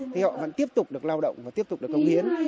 thì họ vẫn tiếp tục được lao động và tiếp tục được công hiến